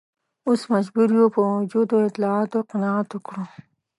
اوس مجبور یو په موجودو اطلاعاتو قناعت وکړو.